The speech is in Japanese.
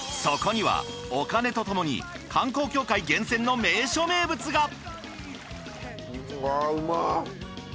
そこにはお金とともに観光協会厳選の名所名物が。